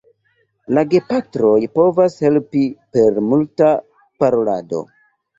La gepatroj povas helpi per multa parolado.